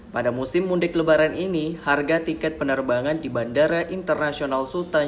pada musim mudik lebaran ini harga tiket penerbangan di bandara internasional sultan